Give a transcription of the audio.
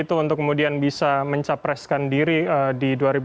itu untuk kemudian bisa mencapreskan diri di dua ribu dua puluh